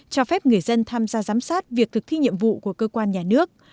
cho phép người dân tham gia giám sát việc thực thi nhiệm vụ của cơ quan nhà nước